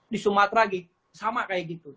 di sumatera sama kayak gitu